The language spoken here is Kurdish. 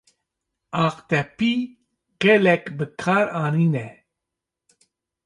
Aqtepî gelek bi kar anîne.